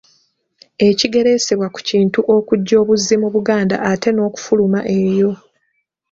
Ekigereesebwa ku Kintu okujja obuzzi mu Buganda ate n'okufuluma eyo.